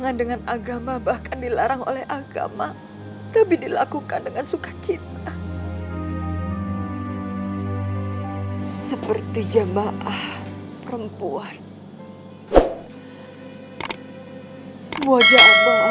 kalau kalian merasa kekasih allah